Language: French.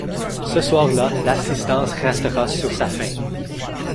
Ce soir-là, l’assistance restera sur sa faim.